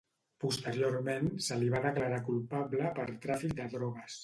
Posteriorment se li va declarar culpable per tràfic de drogues.